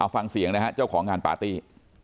ฟังเสียงนะฮะเจ้าของงานปาร์ตี้